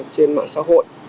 trên mạng xã hội